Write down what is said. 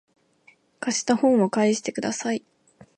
貸した本を返してください